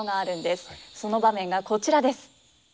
その場面がこちらです。